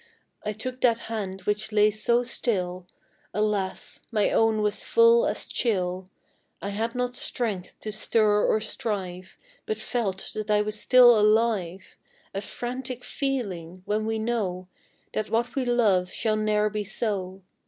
I took that hand which lay so still, Alas! my own was full as chill; I had not strength to stir or strive, But felt that I was still alive, A frantic feeling when we know That what we love shall ne'er be so.